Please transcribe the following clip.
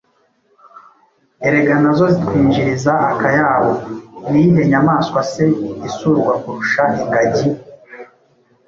Erega na zo zitwinjiriza akayabo! Ni iyihe nyamaswa se isurwa kurusha ingagi?